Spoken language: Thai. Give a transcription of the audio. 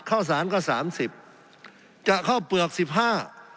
ข้าวสารก็สามสิบจะเข้าเปลือกสิบห้า